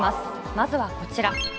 まずはこちら。